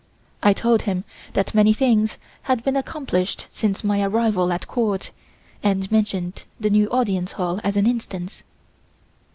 I told him that many things had been accomplished since my arrival at Court, and mentioned the new Audience Hall as an instance.